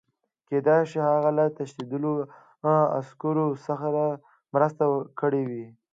کېدای شي هغه له تښتېدلو عسکرو سره مرسته کړې وي